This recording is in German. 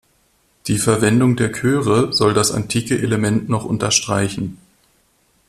Die Verwendung der Chöre soll das antike Element noch unterstreichen.